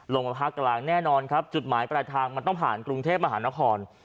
ลงมาภาคกลางแน่นอนครับจุดหมายปลายทางมันต้องผ่านกรุงเทพมหานคร